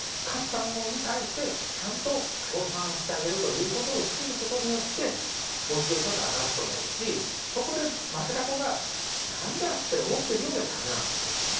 勝ったものに対して、ちゃんと称賛してあげるということを作ることによって、モチベーションって上がると思うし、そこで負けた子が、なんだって思ってるようじゃだめなんですよ。